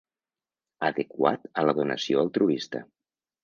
Adequat a la donació altruista.